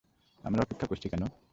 আমরা অপেক্ষা করছি কেন?